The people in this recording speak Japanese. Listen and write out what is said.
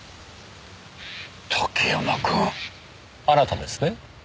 あなたですね？